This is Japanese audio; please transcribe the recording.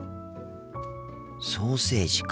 ソーセージか。